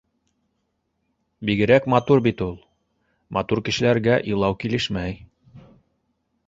Бигерәк матур бит ул. Матур кешеләргә илау килешмәй.